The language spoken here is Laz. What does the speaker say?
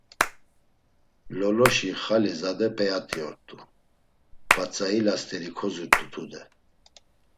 Loloşi xali zade p̌eyat̆i ort̆u, p̌atzayila st̆eri kozurt̆u tude.